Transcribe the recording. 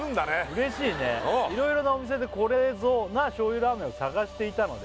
うれしいね「いろいろなお店でこれぞな醤油ラーメンを探していたので」